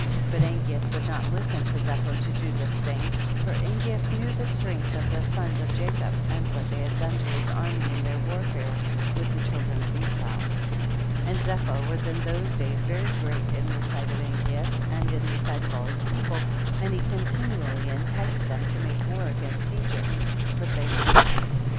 5. But Angeas would not listen to Zepho to do this thing, for Angeas knew the strength of the sons of Ja cob, and what they had done to his army in their warfare with the chil dren of Esau. THE BOOK OF JASHER. 193 6. And Zepho was in those days very great in the sight of Angcas and in the sigiit of all his people, and he continually enticed iheni to make war against Egypt, but they would not.